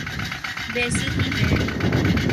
ویسی ہی ہیں۔